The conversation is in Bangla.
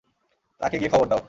তাকে গিয়ে খবর দাও।